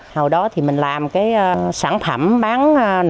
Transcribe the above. hồi đó thì mình làm cái sản phẩm bán nội dung